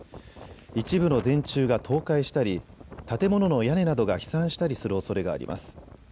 一部の電柱が倒壊したり建物の屋根などが飛散したりするおそれがあります。